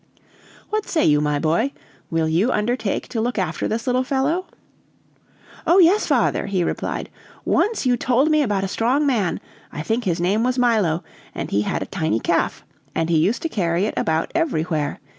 "What say you, my boy will you undertake to look after this little fellow?" "Oh, yes, father!" he replied. "Once you told me about a strong man, I think his name was Milo, and he had a tiny calf, and he used to carry it about everywhere.